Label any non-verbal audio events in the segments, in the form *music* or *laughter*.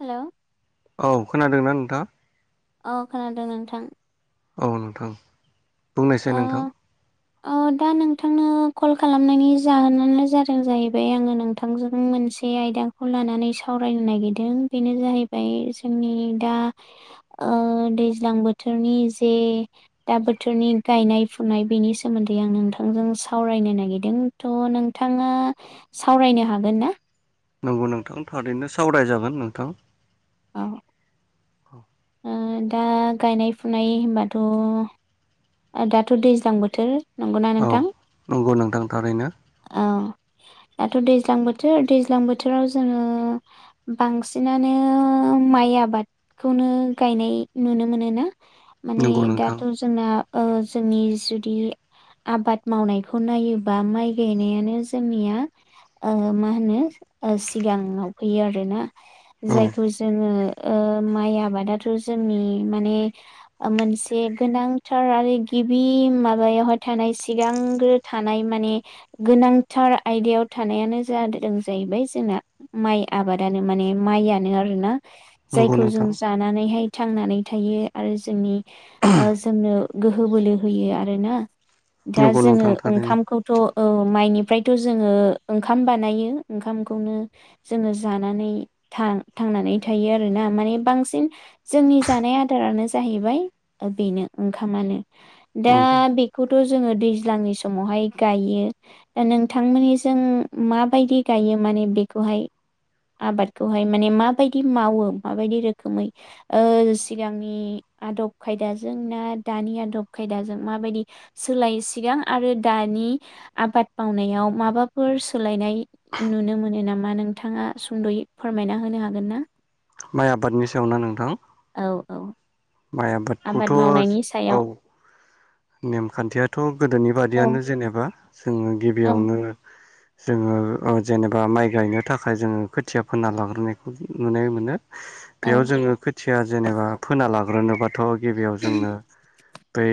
Hello औ खोनादोंना नोंथांङा औ खोनादों नोंथां औ नोंथां बुंनायसाय नोंथां ओ दा नोंथांनो कल खालामनायनि जाहोनानो जादों जाहैबाय आङो नोंथांजों मोनसे आयदाखौ लानानै साव रायनो नागिरदों बेनो जाहैबाय जोंनि दा ओ दैज्लां बोथोराव नि जे दा बोथोरनि गायनाय फुनाय बेनि सोमोन्दै आं नोंथांजों सावरायनो नागिरदों थ' नोंथांङा सावरायनो हागोन ना? नंगौ नोंथां थारैनो सावराय जागोन नोंथां। औ ओ दा गायनाय फुनाय होनबाथ' दाथ' दैज्लां बोथोर नंगौना औ नोंथां नंगौ नोंथां थारैनो औ। दाथ' दैज्लां बोथोर दैज्लां बोथोराव जोङो बांसिनानो माइ आबादखौनो गायनाय नुनो मोनो ना। माने नंगौ नोंथां दाथ' जोंना ओ जोंनि जुदि आबाद मावनायखौ नायोबा माइ गायनायानो जोंनिया ओ मा होनो ओ सिगाङाव फैयो आरोना औ जायखौ जोङो ओ माइ आबादाथ' जोंनि माने ओ मोनसे गोनां थार आरो गिबि माबायावहाय थानाय सिगांग्रो थानाय माने गोनांथार आयदायाव थानायानो जादों जाहैबाय जोंना माइ आबादानो माने माइयानो आरोना। नंगौ जायखौ जों नोंथां जानानैहाय थांनानै थायो आरो जोंनि ओ जोंनो गोहो बोलो होयो आरोना दा नंगौ जोङो नोंथां थारैनो ओंखामखौथ' औ माइनिफ्रायथ' जोङो ओंखाम बानायो ओंखामखौनो जोङो जानानै थां थांनानै थायो आरोना माने बांसिन जोंनि जानाय आदारानो जाहैबाय बेनो ओंखामानो दा नंगौ बेखौथ' जो जोङो दैज्लांनि समावहाय गायो दा नोंथांमोनिजों मा बायदि गायो मा ने बेखौहाय आबादखौहाय माने माबायदि मावो माबायदि रोखोमै ओ सिगांनि आदब खायदाजों ना? दानि आदब खायदाजों माबायदि सोलाय सिगां आरो दानि आबाद मावनायाव माबाफोर सोलायनाय नुनो मोनो नामा नोंथाङा सुंद'यै फोरमायना होनो हागोन ना? माइ आबादनि सायाव ना नोंथां? औ औ माइ आबाद आबादखौथ' मावनायनि सायाव औ नेमखान्थियाथ' गोदोनि औ बादियानो जेनेबा जोङो औ गिबियावनो जोङो ओ जेनेबा माइ गायनो थाखाय जोङो खोथिया फोना लाग्रोनायखौ नुनो मोनो। बेयाव औ जोङो खोथिया जेनेबा फोना लाग्रोनो बाद थ' गिबियाव जोंनो बै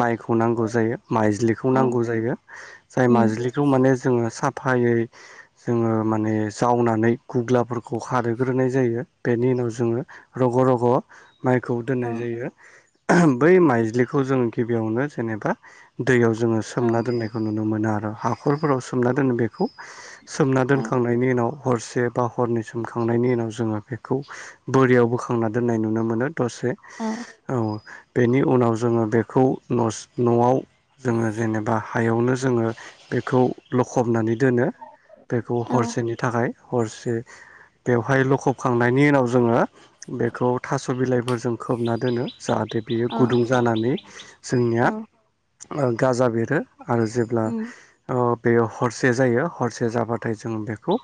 माइखौ नांगौ जायो माइज्लिखौ औ नांगौ जायो जाय उम माइज्लिखौ माने जोङो साफायै *inaudible* जोङो माने जावनानै गुब्लाफोरखौ खारग्रोनाय जायो बेनि उनाव जोङो रग' रग' माइखौ औ दोननाय जायो बै माइज्लिखौ जों गिबियावनो जेनेबा दैयाव जोङो औ सोमना दोन्नायखौ नुनो मोनो आरो हाखरफोराव सोमना दोनो बे खौ सोमना औ दोनखांनायनि उनाव हरसे बा हरनै सोमखांनायनि उनाव जोङो बेखौ बोरियाव बोखांना दोननाय नुनो मोनो दसे औ। बेनि उनाव जोङो बेखौ नस न'आव जोङो जेनेबा हायावनो जोङो बेखौ लखबनानै दोनो बेखौ औ हरसेनि थाखाय हरसे बेवहाय लखबखांनायनि उनाव जोङो बेखौ थास' बिलाइफोरजों खोबना दोनो जाहाथे बियो औ गुदुं जानानै जोंनिया औ ओ गाजा बेरो आरो जेब्ला उम बेयो हरसे जायो हरसे जाबाथाय जों बेखौ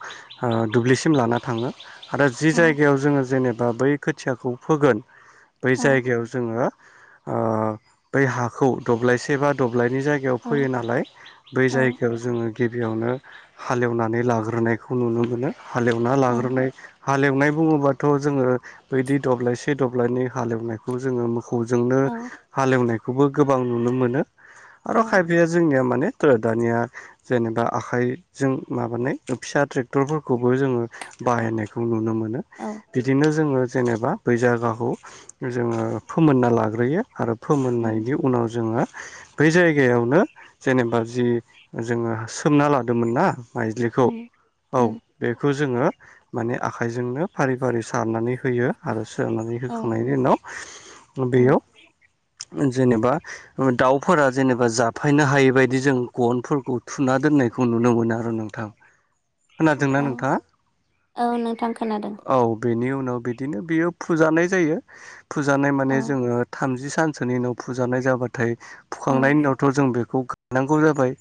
ओ दुब्लिसिम लाना थाङो आरो जि औ जायगायाव जोङो जेनेबा बै खोथियाखौ फोगोन बै औ जायगायाव जोङो ओ बै हाखौ दब्लायसे बा द ब्लायनि जायगायाव औ फैयो नालाय बै औ जायगायाव जोङो गिबियावनो हालेवनानै लाग्रोनायखौ नुनो मोनो। हालेवना औ लाग्रोनाय हालेवनाय बुङोबाथ' जोङो बैदि दब्लायसे दब्लायनै हालेवनायखौ जोङो मो खौ जोंनो औ हालेवनायखौबो गोबां नुनो मोनो। आरो खायफाया जोंनिया माने दानिया जेनेबा आखाइजों माबानाय फिसा ट्रेक्टरफोरखौबो जोङो औ बाहायनायखौ नुनो मोनो। औ बिदिनो जोङो जेनेबा बै जायगाखौ जोङो फोमोनना लाग्रोयो आरो उम फोमोननायनि उनाव जोङो बै जायगायावनो जेनेबा जि जोङो सोमना लादोंमोन ना माइज्लिखौ उम औ उम बेखौ जोङो माने आखाइजोंनो फारि फारि सारनानै होयो आरो सानै औ होखांनायनि उनाव औ बेयाव जेनेबा दाउफोरा जेनेबा जाफायनो हायै बायदि जों गनफोरखौ थुना दोन बेखौ नुनो मोनो आरो नोंथां खोनादोंना ओम नोंथाङा औ नोंथां खोनादों औ बेनि उनाव बिदिनो बियो फुजानाय जायो फुजानाय औ माने जोङो थाम सोरनि उनाव फुजानाय जाबाथाय औ फुखांनायनि उनावथ' जों बेखौ गायनांगौ जाबाय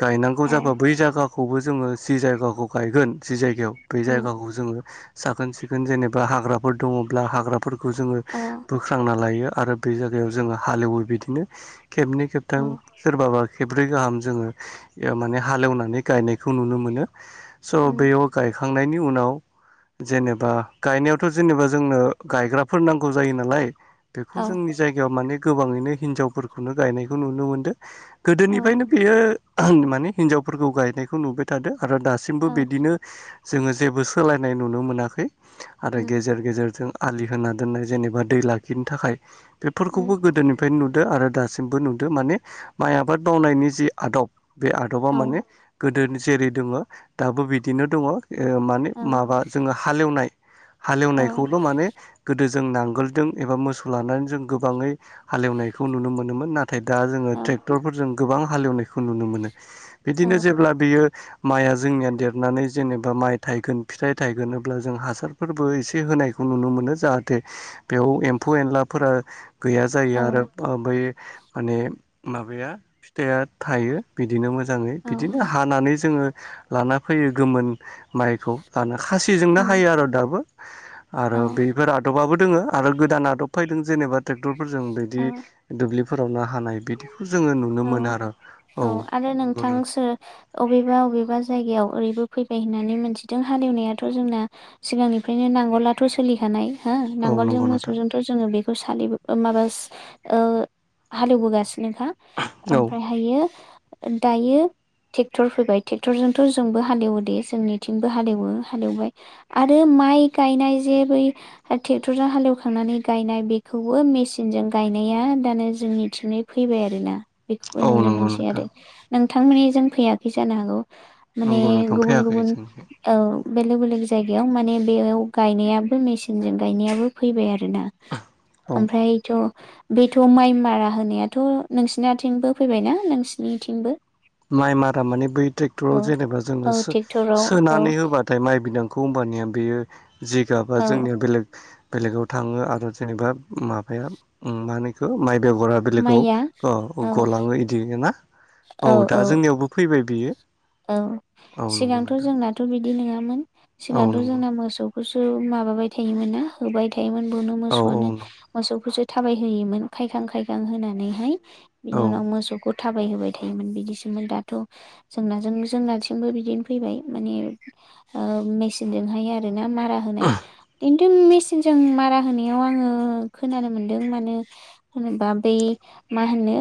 गायनांगौ औ जाबा बै जायगाखौबो जोङो सि जायगाखौ गायगोन जि जायगायाव बे उम जायगाखौ जोङो साखोन सिखोन जेनेबा हाग्राफोर दङब्ला हाग्राफोरखौ जोङो ओ औ बोख्रांना लायो आरो बे जायाव जोङो हालेवो बिदिनो खेबनै औ खेबथाम सोरबा बा खेब्रै गाहाम जोङो माने हालेवनानै गायनायखौ नुनो मोनो स' उम बेयाव गायखांनायनि उनाव जेनेबा गायनायावथ' जेनेबा जोंनो गायग्राफोर नांगौ जायो नालाय बेखौ औ जोंनि जायगायाव माने गोबाङैनो हिनजावफोरखौनो गायनायखौ नुनो मोनदों औ गोदोनिफ्रायनो बेयो माने हिनजावफोरखौ गायनायखौ नुबाय थादो आरो दासिमबो औ बिदिनो जोङो जेबो सोलायनाय नुनो मोनाखै आरो उम गेजेर गेजेरजों आलि होना दोननाय जेनेबा दै लाखिनो थाखाय बेफोरखौबो उम गोदोनिफ्रायनो नुदों आरो दासिमबो नुदों माने माइ आबाद मावनायनि जि आदब बे आदबा औ माने गोदोनि जेरै दङ दाबो बिदिनो दङ ओ माने औ माबा जोङो हालेवनाय औ हालेवनायखौल' माने गोदो जों नांगोलजों एबा मोसौ लानानै जों गोबाङै हालेवनायखौ नुनो मोनोमोन नाथाय नाथाय दा जोङो ट्रेक्टरफोरजों गोबां हालेवनायखौ नुनो मोनो औ बिदिनो जेब्ला बियो माइआ जोंनिया देरनानै जेनेबा माइ थायगोन फिथाइ थायगोन अब्ला जों हासारफोरबो एसे हो होनायखौ नुनो मोनो जाहाथे बेयाव एम्फौ एनलाफोरा गैया जायो औ आरो ओमफाय माने माबाया फिथाइआ थायो बिदिनो मोजां मोजाङै औ बिदिनो हानानै जोङो लाना फैयो गोमोन माइखौ लानानै खासिजोंनो उम हायो आरो दाबो आरो औ बेफोर आदबाबो आरो गोदान आदब फैदों जेनेबा ट्रेक्टरफोरजों बिदि दुब्लिफोराव हा हानाय बिदिखौ जोङो नुनो औ मोनो आरो औ आरो नंगौ नोंथां *unintelligible* सोर *unintelligible* जायगायाव ओरैबो फैबाय होननानै मोनथिदों हालेवनायाथ' जोंना सिगांनिफ्रायनो नांगौलाथ' सोलि फैखानाय हो औ नांगोलजों नंगौ नोंथां मोसौजोंथ' जोङो बेखौ सालि माबा ओ हालेवबोगा *unintelligible* औ ओमफ्रायहायो दायो ट्रेक्टर फैबाय ट्रेक्टरजोंथ' जोंबो हालेवो दे जोंनिथिंबो हालेवो हालेवबाय आरो माइ गायनाय जे बै ट्रेक्टरजों हालेवखांनानै गायनाय बेखौबो मेसिनजों गायनाय *unintelligible* दा जोंनि फैबाय आरोना बेखौबो औ नुनो नंगौ मोनसै आरो नोंथां नोंथांमोननि जों फैयाखै जानो हागौ माने नंगौ नोंथां गुबुन फैयाखै गुबुन जोंनिखै औ बेलेग बेलेग जायगायाव माने बेयाव गायनायाबो मेसिनजों गायनायाबो फैबाय आरो आरोना औ ओमफ्रायथ' बेथ' माइ मारा होनाय थ' नोंसिनिथिंबो फैबायनाा नोंसिनिथिंबो माइ मारा माने बै ट्रेक्टराव औ जेनेबा जोङो औ सो ट्रेक्टराव औ सोनानै होबाथाय माइ बि कम्फानिया बेयो जिगाबा औ जोंनिया बेलेग बेलेगाव थाङो आरो जेनेबा माबाया मा होनो इखो माइ बेगरा माइया बेलेगाव औ गलाङो इदि ना औ दा जोंनियावबो फै फैबाय बियो औ औ नंगौ सिगांथ नोंथां जोंनाथ बिदि नङामोन औ सिगांथ नंगौ जोंना मोसौ खौसो माबाबाय थायोमोन ना होबाय थायोमोन बेनो औ औ मोसौआनो मोसौखौसो थाबायहोयोमोन खायखां खायखां होनानैहाय औ बिनि उनाव मोसौखौ थाबायहोबाय थायोमोन बिदिसोमोन दाथ जोंजों जोंनाथिंबो बिदिनो फैबाय माने ओ मेचिनजोंहाय आरो मारा होनाय जों मेसिनजों मारा होनायाव आङो खोनानो मोनदों मानो होनोबा बै मा होनो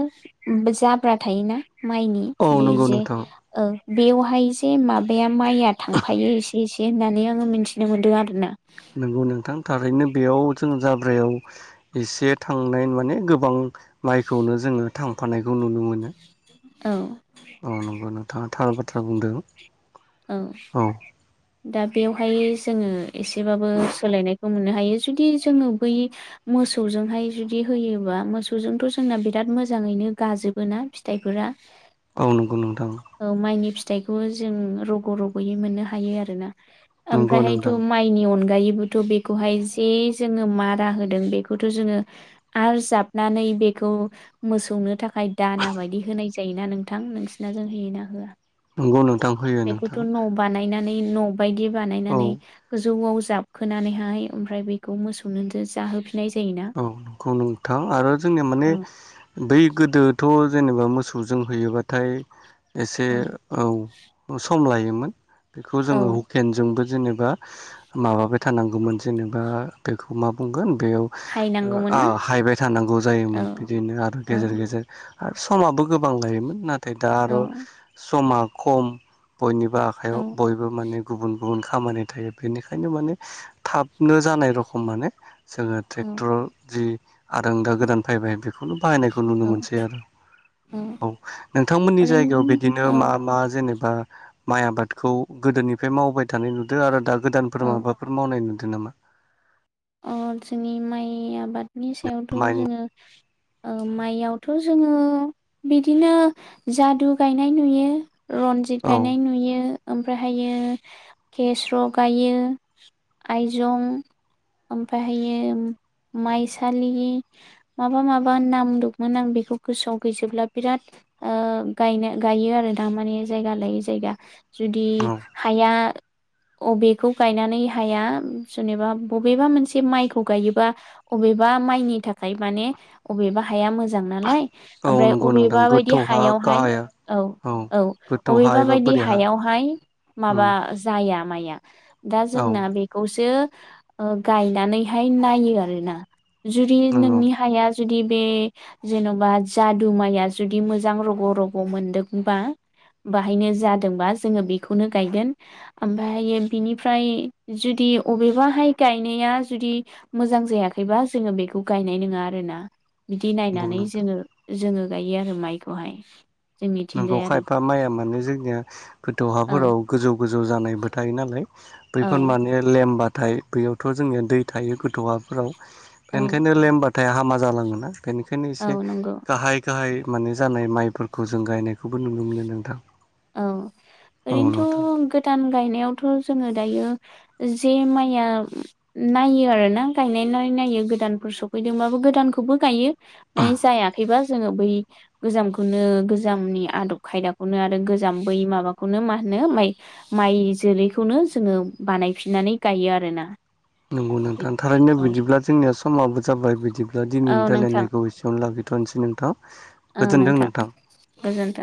बे जाब्रा थायोना माइनि औ बे नंगौ जे नोंथां ओ बेवहाय जे माबाया माइया थांफायो एसे एसे होननानै आङो मिथिनो मोन्दों आरो ना नंगौ नोंथां थारैनो बेयाव जों जाब्रायाव एसे थांनाय माने गोबां माइखौनो जोङो थांफानायखौ नुनो मोनो औ अ नंगौ नोंथाङा थार बाथ्रा बुंदों औ दा बेवहायो जोङो एसेबाबो सोलायनायखौ मोननो हायो जुदि जोङो बै मोसौजोंहाय जुदि होयोबा मोसौजोंथ जोंना बिराद मोजाङैनो गाजोबो ना फिथाइफोरा औ नंगौ औ माइनि फिथाइखौबो जों रग रगयै मोननो हायो आरोना नंगौ ओमफ्रायहायथ नोंथां माइनि अन- गायैबोथ बेखौहाय जे जोङो मारा होदों बेखौथ जोङो आरो जाबनानै बेखौ मोसौनो थाखाय दाना बायदि होनाय जायोना नोंथां नोंसिना जों होयोना होआ? नंगौ नोंथां होयो बेखौथ नोंथां न बानायनानै न बायदि औ बानायनानै गोजौआव जाबखोनानैहाय ओमफ्राय बेखौ मोसौनसो जाहोफिन औ नखौ नोंथां आरो जोंनिया माने औ बै गोदोथ जेनेबा मोसौजों हैयोबाथाय एसे औ औ सम लायोमोन बेखौ औ जोङो हुकेनजोंबो जेनेबा माबाबाय थानांगौमोन जेनेबा बेखौ मा बुंगोन बे हायनांगौमोन ना हायबाय थानांगौ औ जायोमोन बिदिनो आरो औ गेजेर गेजेर आरो समाबो गोबां लायोमोन नाथाय दा औ आरो समा खम बयनिबो औ आखाइयाव बयबो माने गुबुन गुबुन खामानि थायो बेनिखायनो माने थाबनो जानाय रखम माने जोङो औ ट्रेक्टराव जि आरोंदा गोदान फैबाय बेखौनो बाहायनायखौ नुनो औ मोनसै आरो औ नोंथांमोननि जायगायाव ओरैनो बिदिनो औ मा मा जेनेबा बा माइ आबादखौ गोदोनिफ्राय मावबाय थानाय नुदों आरो दा गोदानफोर औ माबाफोर मावनाय नु दों नामा? अ जोंनि माइ आबादनि सायावथ' माइनि जोङो माइयावथ जोङो बिदिनो जादु गायनाय नुयो रनजित औ गायनाय नुयो ओमफ्रायहायो केस्र गायो आइजं ओमफ्राय हायो माइसालि माबा माबा नाम दंमोन आं बेखौ गोसोआव गैजोबला बिराद ओ गायनो गायो आरो दामाने जायगा लायै जायगा जुदि औ हाया। अबेखौ गायनानै हाया जेनेबा बेबा मायखौ गायोबा अबेबा मायनि थाखायमाने अबेबा हाया मोजां नालाय औ आमफ्राय नंगौ नोंथां अबेबा बायदि गोथौ हा हायावहाय गाहाय हा औ औ गोथौ हा अबेबा एबा बायदि बोरि हा हायावहाय उम माबा जाया माया दा औ जोंना बेखौसो गायनानैहाय नायो आरोोना जुदि नंगौ नोंनि हाया जुदि बे जेन'बा जाद माइया जुदि मोजां रग' रग' मोनदोंबा बाहायनो जादोंबा जोङो बेखौनो गायगोन ओमफ्रायायो बिनिफ्राय जुदि अबेबाहाय गायनाया जुदि मोजां जायाखैबा जोङो बेखौ गायनाय नङा आरो ना बिदि नंगौ नायनानै नोंथां जोङो जोङो गायो आरो माइखौहाय नोंगौ जोंनिथिंजाय आरो खायफा माइया माने जोंनिया गोथौ औ हाफोराव गोजौ गोजौ जानायबो थायो नालाय बैफोर औ माने लेमबाथाय बैयावथ' जोंनिया दै थायो गथौ हफोराव औ बेनिखायनो लेमबाथाय हामा जालाङोना बेनिखायनो एसे औ नंगौ गाहाय गाहाय माने जानाय माइफोरखौ जों गायनायखौबो नुनो मोनो नोंथां औ औ नोंथां ओरैनोथ' गोदान गायनायावथ' जोङो दायो जे माइया नायो आरोोना गायनाय नाय गोदान सफैदोंबाबो गोदानखौबो गायो जायाखै जोङो बै गोजामखौनो गोजामनि आदब खायदाखौनो आरो जाम्बै माबाखौनो मा होनो माइ माइ जोलैखौनो जोङो बानायफिननानै गायो आरोना नंगौ नोंथां थारैनो औ बिदिब्ला जोंनिया समाबो जाबाय बिदिब्ला दिनैनि औ नोंथां रायज्लायनायखौ एसेयावनो लागै दथनोसै नोंथां गोजोनदों नोंथां गोजोन्थों